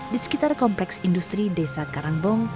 di sekitar kompleks industri desa karangbong